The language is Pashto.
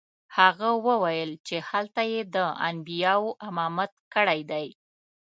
هغه وویل چې هلته یې د انبیاوو امامت کړی دی.